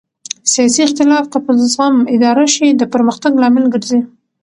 سیاسي اختلاف که په زغم اداره شي د پرمختګ لامل ګرځي